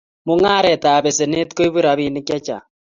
mung'aretab besenet ko ibu robinik che cahng'